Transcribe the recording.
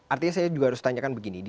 artinya saya juga harus tanyakan begini